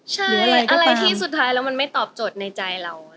ใช่อะไรที่สุดท้ายแล้วมันไม่ตอบโจทย์ในใจเรา